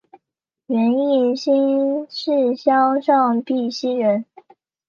袁翼新市乡上碧溪人。